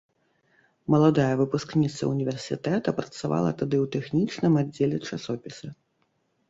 Маладая выпускніца універсітэта працавала тады ў тэхнічным аддзеле часопіса.